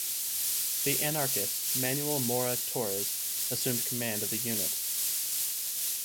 The anarchist Manuel Mora Torres assumed command of the unit.